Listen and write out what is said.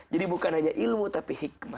jadi bukan hanya ilmu tapi hikmah